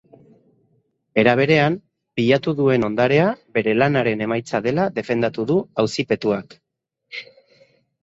Era berean, pilatu duen ondarea bere lanaren emaitza dela defendatu du auzipetuak.